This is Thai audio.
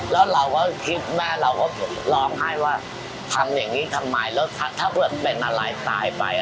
แล้วเราก็คิดแม่เราก็ร้องไห้ว่าทำอย่างนี้ทำไมแล้วถ้าเพื่อนเป็นอะไรตายไป